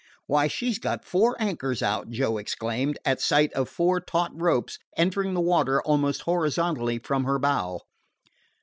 "Why, she 's got four anchors out!" Joe exclaimed, at sight of four taut ropes entering the water almost horizontally from her bow.